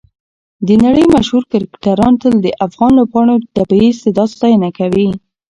د نړۍ مشهور کرکټران تل د افغان لوبغاړو د طبیعي استعداد ستاینه کوي.